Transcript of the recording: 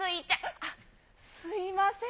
あっ、すみません。